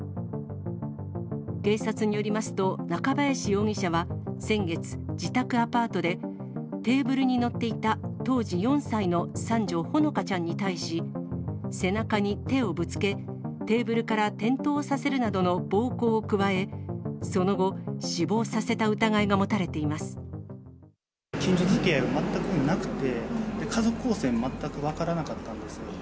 警察によりますと、中林容疑者は先月、自宅アパートでテーブルに乗っていた当時４歳の三女、ほのかちゃんに対し、背中に手をぶつけ、テーブルから転倒させるなどの暴行を加え、その後、近所づきあいは全くなくて、家族構成も全く分からなかったんです。